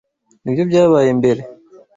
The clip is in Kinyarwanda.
Nibyo byabaye mbere.